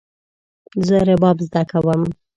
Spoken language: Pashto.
زه رباب زده کوم